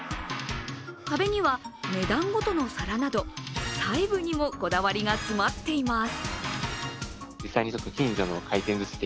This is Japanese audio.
壁には値段ごとの皿など細部にもこだわりが詰まっています。